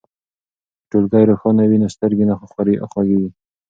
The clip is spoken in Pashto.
که ټولګی روښانه وي نو سترګې نه خوږیږي.